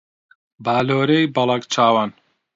بالۆرەی بەڵەک چاوان